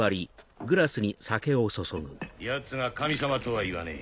奴が神様とは言わねえ。